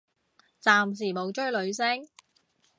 暫時冇追女星